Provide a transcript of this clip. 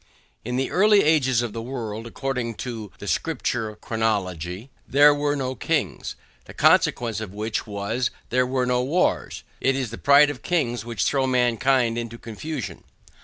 In the early ages of the world, according to the scripture chronology, there were no kings; the consequence of which was there were no wars; it is the pride of kings which throw mankind into confusion.